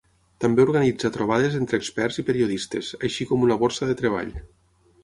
També organitza trobades entre experts i periodistes, així com una borsa de treball.